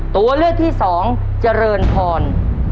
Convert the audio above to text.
ตัวเลือกที่สองเจริญพร